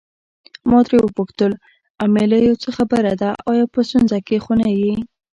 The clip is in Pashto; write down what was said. ما ترې وپوښتل امیلیو څه خبره ده آیا په ستونزه کې خو نه یې.